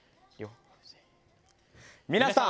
皆さん